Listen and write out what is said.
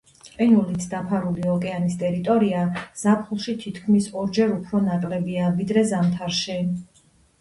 ყინულით დაფარული ოკეანის ტერიტორია ზაფხულში თითქმის ორჯერ უფრო ნაკლებია ვიდრე ზამთარში.